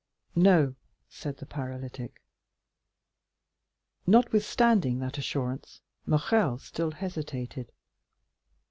"No," said the paralytic. Notwithstanding that assurance, Morrel still hesitated.